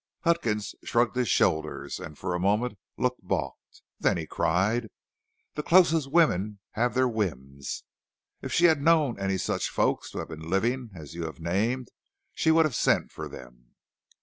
Huckins shrugged his shoulders and for a moment looked balked; then he cried: "The closest women have their whims. If she had known any such folks to have been living as you have named, she would have sent for them."